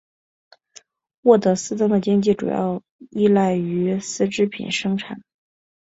沃德斯登的经济主要依赖于丝织品生产。